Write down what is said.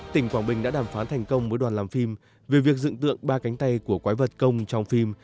tỉnh quảng bình đã đàm phán thành công với đoàn làm phim về việc dựng tượng ba cánh tay của quái vật công trong phim